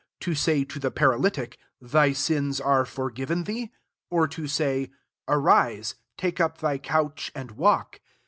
to say to the paralytic, * Thy sins are forgiven thee ?' or, to say, ^ Arise, take up thy couch, and walk